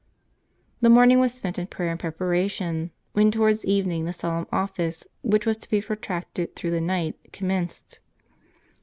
The morning was spent in prayer and preparation, when towards evening the solemn office, which was to be protracted through the night, commenced.